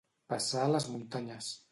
Passar les muntanyes.